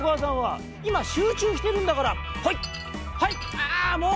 ああもう！